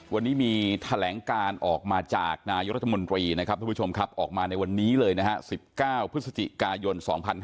วันนี้มีแถลงการออกมาจากนายรัฐมนตรีนะครับทุกผู้ชมครับออกมาในวันนี้เลยนะฮะ๑๙พฤศจิกายน๒๕๕๙